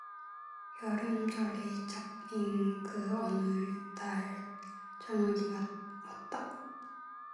여름철이 잡힌 그 어느 날 저녁이었다.